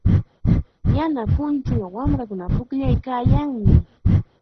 Yana punchuyuq wamrakunaqa pukllaykaayanmi.